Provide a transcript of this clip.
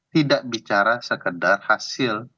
tidak bicara sekedar hasil